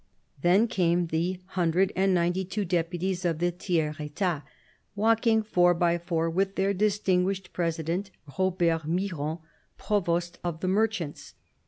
Then came the hundred and ninety two deputies of the Tiers £tat, walking four by four, with their distinguished President, Robert Miron, provost of the merchants.